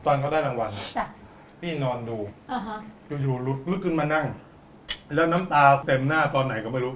ตอนเขาได้รางวัลพี่นอนดูอยู่ลุกขึ้นมานั่งแล้วน้ำตาเต็มหน้าตอนไหนก็ไม่รู้